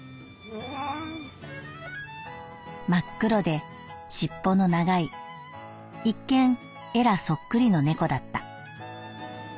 「真っ黒で尻尾の長い一見エラそっくりの猫だった」。